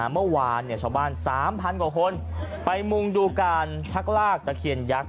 เมื่อวานชาวบ้าน๓๐๐กว่าคนไปมุงดูการชักลากตะเคียนยักษ์